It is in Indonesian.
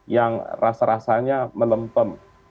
yang rasa rasanya melempem